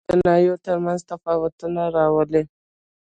هندوکش د ناحیو ترمنځ تفاوتونه راولي.